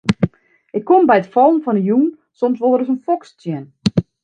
Ik kom by it fallen fan 'e jûn soms wol ris in foks tsjin.